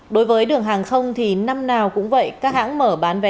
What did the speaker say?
đối với đường hàng không thì năm nào cũng vậy các hãng mở bán hàng không